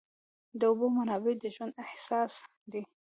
د اوبو منابع د ژوند اساس دي.